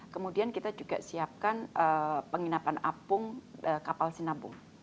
kemudian kita juga siapkan penginapan apung kapal sinabung